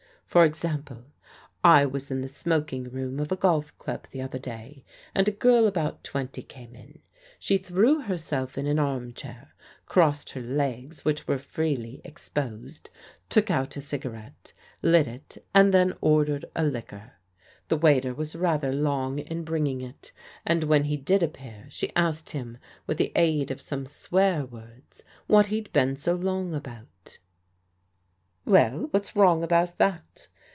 For example, I was in the smoking room of a golf club the other day, and a girl about twenty came in. She threw herself in an arm chair, crossed her legs which were freely exposed, took out a cigarette, lit it, and then ordered a liquor. The waiter was rather long in bringing it, and when he did appear she asked him with the aid of some swear words what he'd been so long about." "Well, what's wrong about that?"